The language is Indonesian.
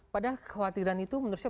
padahal kekhawatiran itu menurut saya